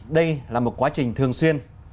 đây là một quá trình thường xuyên